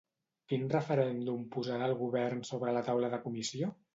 Quin referèndum posarà el govern sobre la taula de comissió?